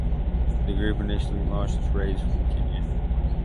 The group initially launched its raids from Kenya.